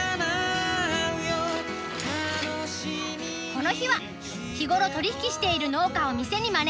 この日は日頃取り引きしている農家を店に招いてマルシェを開催。